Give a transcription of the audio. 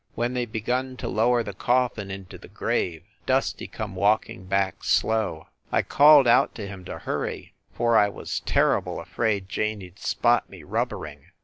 When they begun to lower the coffin into the grave Dusty come walking back slow. I called out to him to hurry, for I was terrible afraid Janey d spot me rubbering.